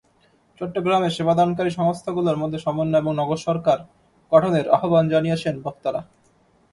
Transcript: চট্টগ্রামে সেবাদানকারী সংস্থাগুলোর মধ্যে সমন্বয় এবং নগর সরকার গঠনের আহ্বান জানিয়েছেন বক্তারা।